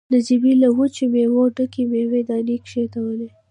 نجيبې له وچو مېوو ډکه مېوه داني کېښوده.